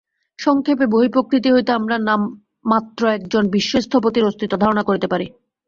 সংক্ষেপে বহিঃপ্রকৃতি হইতে আমরা মাত্র একজন বিশ্ব-স্থপতির অস্তিত্ব ধারণা করিতে পারি।